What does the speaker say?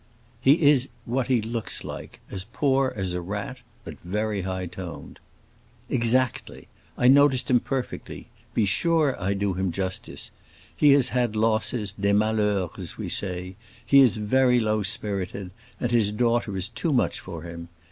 "He is what he looks like: as poor as a rat, but very high toned." "Exactly. I noticed him perfectly; be sure I do him justice. He has had losses, des malheurs, as we say. He is very low spirited, and his daughter is too much for him.